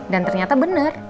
dan ternyata bener